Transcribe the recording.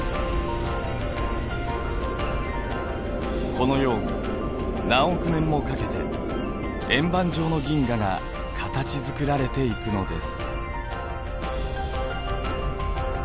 このように何億年もかけて円盤状の銀河が形づくられていくのです。